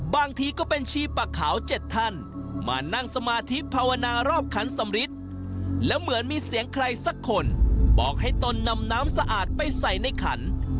บางทีก็เป็นชีปักขาว๗ท่านมานั่งสมาธิภาวนารอบขันสำริทแล้วเหมือนมีเสียงใครสักคนบอกให้ตนนำน้ำสะอาดไปใส่ในขัน